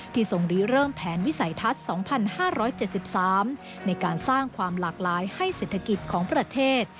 ทรงรีเริ่มแผนวิสัยทัศน์๒๕๗๓ในการสร้างความหลากหลายให้เศรษฐกิจของประเทศ